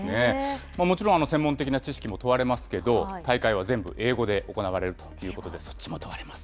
もちろん専門的な知識も問われますけど、大会は全部英語で行われるということで、そっちも問われます。